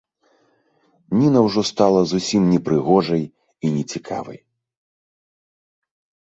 Ніна ўжо стала зусім непрыгожай і нецікавай.